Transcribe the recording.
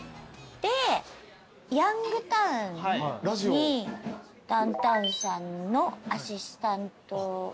で『ヤングタウン』にダウンタウンさんのアシスタント。